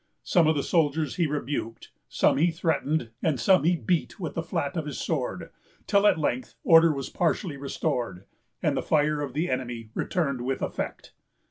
Some of the soldiers he rebuked, some he threatened, and some he beat with the flat of his sword; till at length order was partially restored, and the fire of the enemy returned with effect.